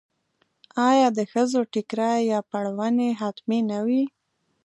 آیا د ښځو ټیکری یا پړونی حتمي نه وي؟